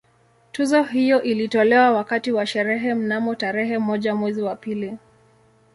Tuzo hiyo ilitolewa wakati wa sherehe mnamo tarehe moja mwezi wa pili